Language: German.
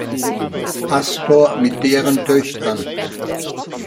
Astor mit deren Töchtern.